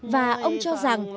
và ông cho rằng